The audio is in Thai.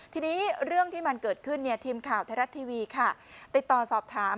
ทีนี้เรื่องที่มันเกิดขึ้นเนี่ยทีมข่าวไทยรัฐทีวีค่ะติดต่อสอบถาม